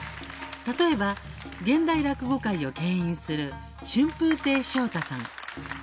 例えば、現代落語界をけん引する春風亭昇太さん。